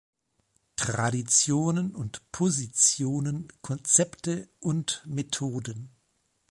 Traditionen und Positionen, Konzepte und Methoden'.